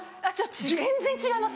全然違います。